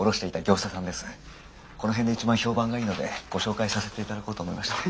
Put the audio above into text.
この辺で一番評判がいいのでご紹介させていただこうと思いまして。